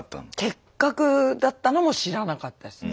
結核だったのも知らなかったです。